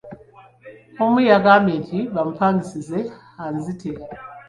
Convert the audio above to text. Omu yangambye nti bamupangisizza anzite.